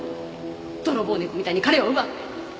泥棒猫みたいに彼を奪って